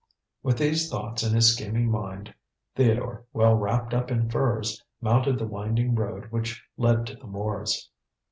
With these thoughts in his scheming mind, Theodore, well wrapped up in furs, mounted the winding road which led to the moors.